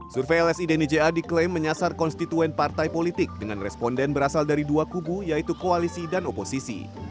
survei lsi dnija diklaim menyasar konstituen partai politik dengan responden berasal dari dua kubu yaitu koalisi dan oposisi